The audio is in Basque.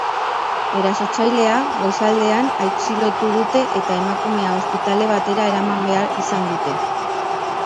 Erasotzailea goizaldean atxilotu dute eta emakumea ospitale batera eraman behar izan dute.